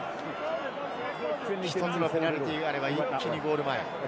１つのペナルティーがあれば一気にゴール前。